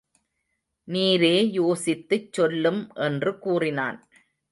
நீரே யோசித்துச் சொல்லும் என்று கூறினான்.